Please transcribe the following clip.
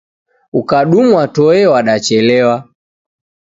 Ukadumwa toe wadachelewa